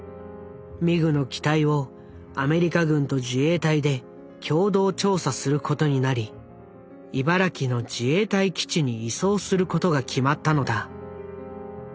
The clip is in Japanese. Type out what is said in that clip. ミグの機体をアメリカ軍と自衛隊で共同調査することになり茨城の自衛隊基地に移送することが決まったのだ。